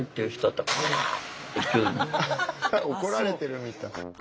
怒られてるみたい。